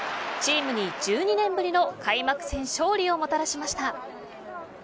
チームに１２年ぶりの開幕戦勝利をもたらしました。